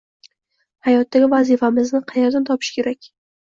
Hayotdagi vazifamizni qayerdan topish kerak